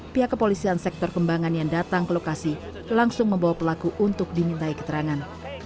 pihak kepolisian sektor kembangan yang datang ke lokasi langsung membawa pelaku untuk dimintai keterangan